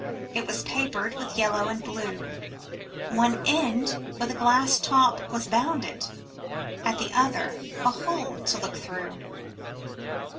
It was papered with yellow and blue. One end with a glass top was bounded. At the other, a hole to look through.